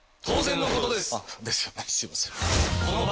当然のことですあっですよね